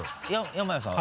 山谷さん